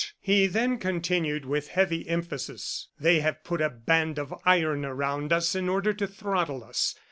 He then continued with heavy emphasis, "They have put a band of iron around us in order to throttle us.